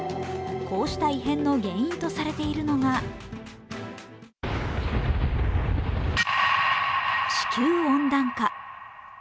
こうした異変の原因とされているのが地球温暖化。